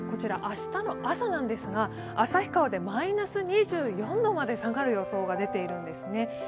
明日の朝なんですが旭川でマイナス２４度まで下がる予想が出ているんですね。